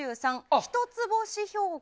１つ星評価。